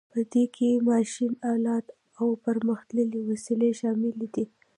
په دې کې ماشین الات او پرمختللي وسایل شامل دي.